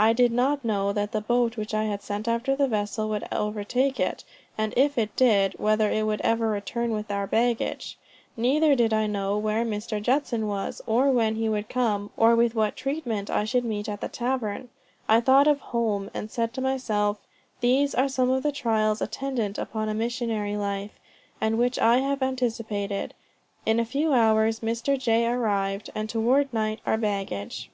I did not know that the boat which I had sent after the vessel would overtake it, and if it did, whether it would ever return with our baggage; neither did I know where Mr. Judson was, or when he would come, or with what treatment I should meet at the tavern. I thought of home and said to myself, These are some of the trials attendant upon a missionary life, and which I have anticipated. In a few hours Mr. J. arrived, and toward night our baggage."